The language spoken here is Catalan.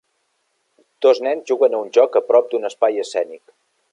Dos nens juguen a un joc a prop d'un espai escènic.